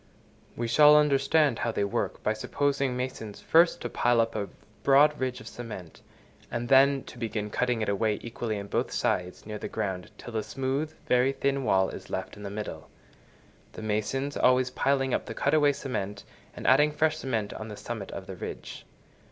We shall understand how they work, by supposing masons first to pile up a broad ridge of cement, and then to begin cutting it away equally on both sides near the ground, till a smooth, very thin wall is left in the middle; the masons always piling up the cut away cement, and adding fresh cement on the summit of the ridge.